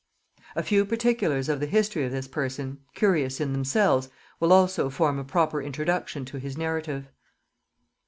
A few particulars of the history of this person, curious in themselves, will also form a proper introduction to his narrative.